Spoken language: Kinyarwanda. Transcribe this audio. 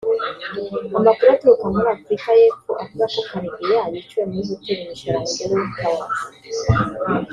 Amakuru aturuka muri Afurika y’Epfo avuga ko Karegeya yiciwe muri Hoteli Michelangelo Towers